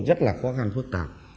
rất là khó khăn phức tạp